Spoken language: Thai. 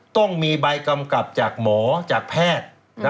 ต้องมีใบกำกับจากหมอจากแพทย์